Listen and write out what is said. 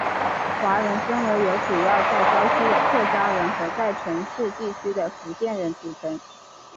华人分为由主要在郊区的客家人和在城市地区的福建人组成。